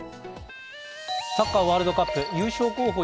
サッカーワールドカップ優勝候補